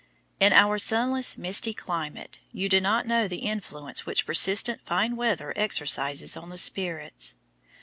In our sunless, misty climate you do not know the influence which persistent fine weather exercises on the spirits.